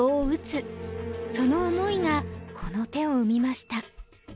その思いがこの手を生みました。